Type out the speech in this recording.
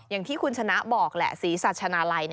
อย่างที่คุณชนะบอกแหละศรีสัชนาลัย